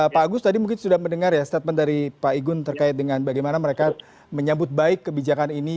pak agus tadi mungkin sudah mendengar ya statement dari pak igun terkait dengan bagaimana mereka menyambut baik kebijakan ini